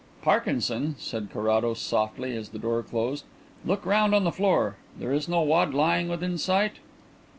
"Parkinson," said Carrados softly, as the door closed, "look round on the floor. There is no wad lying within sight?"